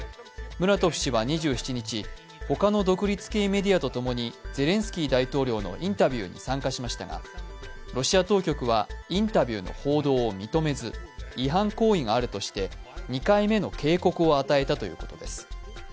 ムラトフ氏は２７日、ほかの独立系メディアとともに、ゼレンスキー大統領のインタビューに参加しましたがロシア当局は、インタビューの報道を認めず、違反行為があるとして２回目の警告を与えたということです。